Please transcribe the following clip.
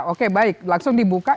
oke baik langsung dibuka